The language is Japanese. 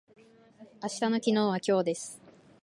明日の昨日は今日です。